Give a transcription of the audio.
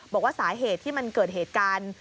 บอกว่าสาเหตุที่มันเกิดเหตุการณ์